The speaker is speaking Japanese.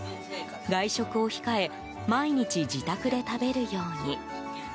外食を控え毎日自宅で食べるように。